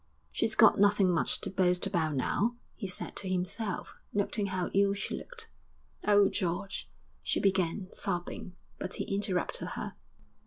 'She's got nothing much to boast about now,' he said to himself, noting how ill she looked. 'Oh, George!'... she began, sobbing; but he interrupted her.